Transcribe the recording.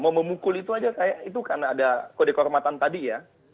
mau memukul itu aja kayak itu karena ada kode kehormatan tadi ya